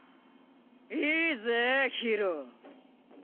いいぜ宙。